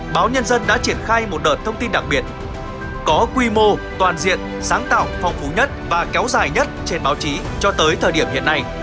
báo nhân dân đã triển khai một đợt thông tin đặc biệt có quy mô toàn diện sáng tạo phong phú nhất và kéo dài nhất trên báo chí cho tới thời điểm hiện nay